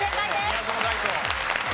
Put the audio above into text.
宮園大耕。